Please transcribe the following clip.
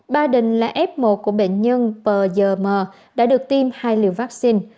ba đình là f một của bệnh nhân pzm đã được tiêm hai liều vaccine